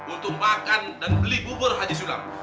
untuk makan dan beli bubur haji sulam